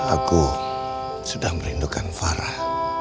aku sudah merindukan farah